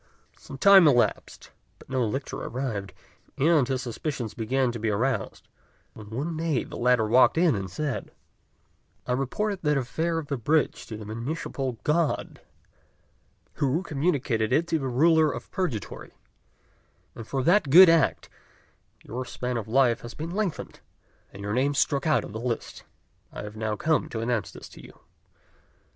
Some time elapsed, but no lictor arrived; and his suspicions began to be aroused, when one day the latter walked in and said, "I reported that affair of the bridge to the Municipal God, who communicated it to the Ruler of Purgatory; and for that good act your span of life has been lengthened, and your name struck out of the list. I have now come to announce this to you."